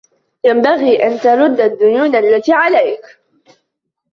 ينبغي أن ترد الديون التي عليك.